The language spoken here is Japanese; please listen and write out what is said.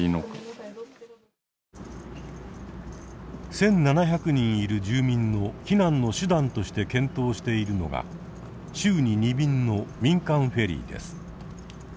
１，７００人いる住民の避難の手段として検討しているのが週に２便の民間フェリーです。